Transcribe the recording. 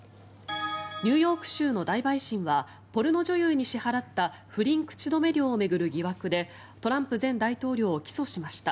ニューヨーク州の大陪審はポルノ女優に支払った不倫口止め料を巡る疑惑でトランプ前大統領を起訴しました。